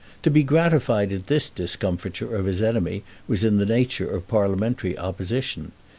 To be gratified at this discomfiture of his enemy was in the nature of parliamentary opposition.